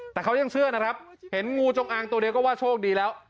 แต่เขายังเชื่อนะครับเห็นงูจงอางตัวเดียวก็ว่าโชคดีแล้ว